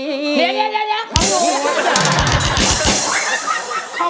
ของหนูหัวตา